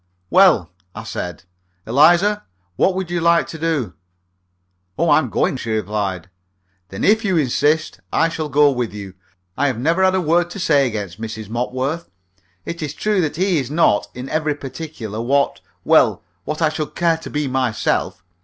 "Well," I said, "Eliza, what would you like to do?" "Oh, I'm going!" she replied. "Then if you insist, I shall go with you. I've never had a word to say against Mrs. Mopworth. It is true that he is not in every particular what well, what I should care to be myself.